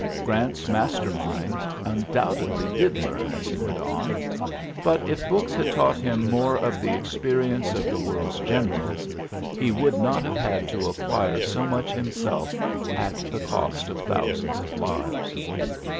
Grant's master mind undoubtedly did learn as he went on; but, if books had taught him more of the exi>erience of the world's generals, he 11 uiiuy ^OLi 42 ULYSSES S. GEAUT wonld not have liad to acquire so mndi himself at the cost of thousands of lives.